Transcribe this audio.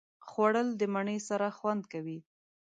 خوړل د مڼې سره خوند کوي